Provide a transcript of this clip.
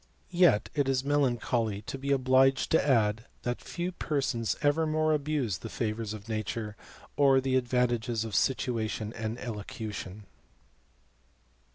Yet it is melancholy to be obliged to add, that few persons ever more abused the favours of nature, or the advantages of situation and elocution.